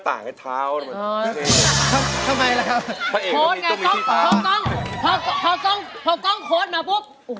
พาเคราะห์โค้ดมาปุ๊บ